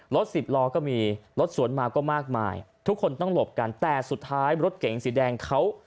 สิบล้อก็มีรถสวนมาก็มากมายทุกคนต้องหลบกันแต่สุดท้ายรถเก๋งสีแดงเขา